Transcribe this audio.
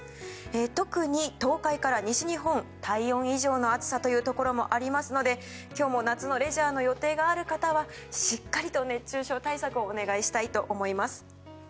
特に東海から西日本体温以上の暑さというところもありますので、今日も夏のレジャーがある方はしっかりと熱中症対策をお願いしたいと思います。